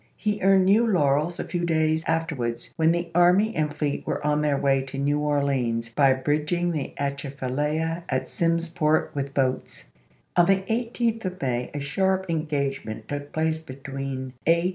He earned new laurels a few days afterwards, when the army and fleet were on their way to New Orleans, by bridg ing the Atchafalaya at Simsport with boats. On the 18th of May a sharp engagement took place between A.